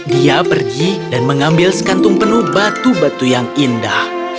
dia pergi dan mengambil sekantung penuh batu batu yang indah